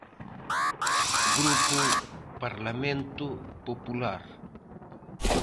Grupo Parlamento Popular.